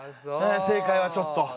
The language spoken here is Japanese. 正解はちょっと。